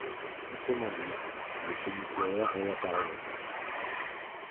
Autrement dit, le fait nucléaire réapparaît en force.